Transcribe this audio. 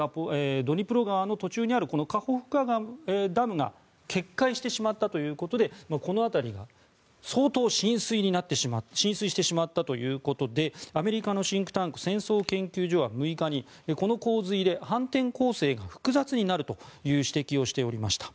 ドニプロ川の途中にあるこのカホフカダムが決壊してしまったということでこの辺りが相当浸水してしまったということでアメリカのシンクタンク戦争研究所は６日にこの洪水で反転攻勢が複雑になるという指摘をしておりました。